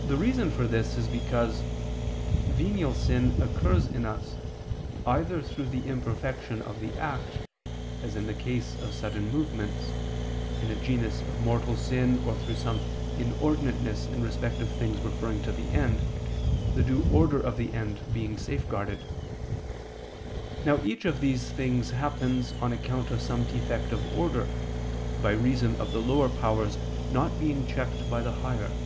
The reason for this is because venial sin occurs in us, either through the imperfection of the act, as in the case of sudden movements, in a genus of mortal sin or through some inordinateness in respect of things referred to the end, the due order of the end being safeguarded. Now each of these happens on account of some defect of order, by reason of the lower powers not being checked by the higher.